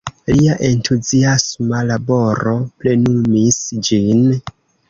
Lia entuziasma laboro plenumis ĝin.